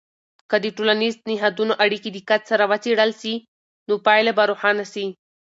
که د ټولنیزو نهادونو اړیکې دقت سره وڅیړل سي، نو پایله به روښانه سي.